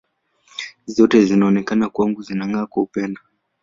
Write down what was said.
Hizo zote zinaonekana kwangu zinang’aa kwa upendo.